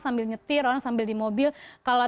sambil nyetir orang sambil di mobil kalau